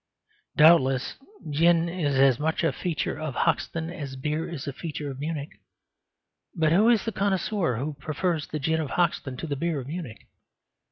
Doubtless gin is as much a feature of Hoxton as beer is a feature of Munich. But who is the connoisseur who prefers the gin of Hoxton to the beer of Munich?